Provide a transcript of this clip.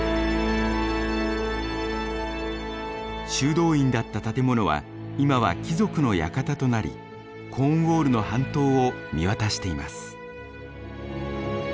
修道院だった建物は今は貴族の館となりコーンウォールの半島を見渡しています。